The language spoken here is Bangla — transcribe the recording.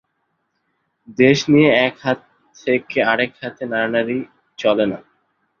দেশ নিয়ে এক হাত থেকে আর-এক হাতে নাড়ানাড়ি চলে না।